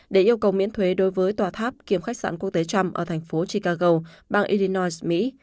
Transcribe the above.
để yêu cầu miễn thuế đối với tòa tháp kiểm khách sạn quốc tế trump ở thành phố chicago bang irinois mỹ